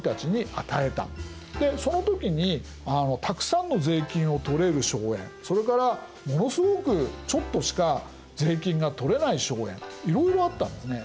でその時にたくさんの税金を取れる荘園それからものすごくちょっとしか税金が取れない荘園いろいろあったんですね。